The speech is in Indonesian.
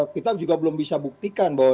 kita juga belum bisa buktikan bahwa